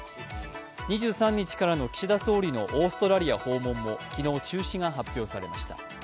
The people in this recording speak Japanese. ２３日からの岸田総理のオーストラリア訪問も昨日、中止が発表されました。